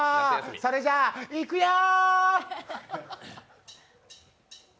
それじゃあ、いくよー！